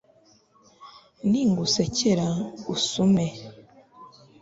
ningusekera usume